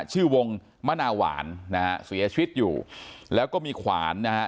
ชื่อวงมะนาหวานนะฮะเสียชีวิตอยู่แล้วก็มีขวานนะฮะ